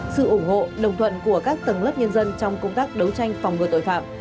sự ủng hộ đồng thuận của các tầng lớp nhân dân trong công tác đấu tranh phòng ngừa tội phạm